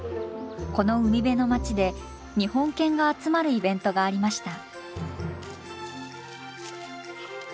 この海辺の町で日本犬が集まるイベントがありました。